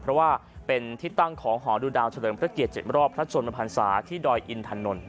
เพราะว่าเป็นที่ตั้งของหอดูดาวเฉลิมพระเกียรติ๗รอบพระชนมพันศาที่ดอยอินถนน